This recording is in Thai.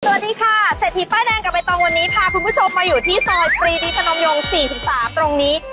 สวัสดีค่ะเศรษฐีป้ายแดงกับใบตองวันนี้พาคุณผู้ชมมาอยู่ที่ซอยปรีดีพนมยง๔๓ตรงนี้